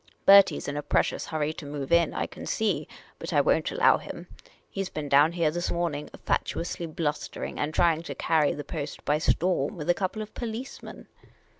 Bertie 's in a precious hurry to move in, I can .see ; but I won't allow him. He 's been down here this morning, fatuou.sly blu.stering, and trying to carry the pest by storm, with a couple of policemen."